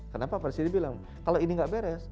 kenapa pak farsidi bilang kalau ini enggak beres